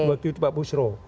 waktu itu pak busro